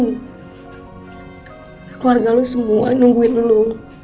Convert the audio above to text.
keluarga lo semua nungguin dulu